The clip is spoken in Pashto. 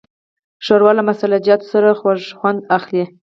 ښوروا له مسالهجاتو سره خوږ خوند اخلي.